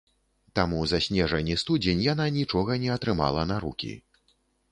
Таму за снежань і студзень яна нічога не атрымала на рукі.